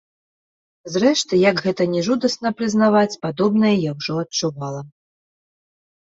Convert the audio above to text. Зрэшты, як гэта ні жудасна прызнаваць, падобнае я ўжо адчувала.